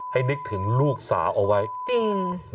นึกถึงลูกสาวเอาไว้จริง